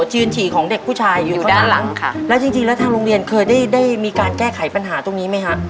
จริงแล้วก็ทางโรงเรียนเคยได้มีการแก้ไขปัญหาตรงนี้ไหมคะ